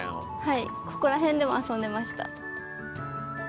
はいここら辺でも遊んでました。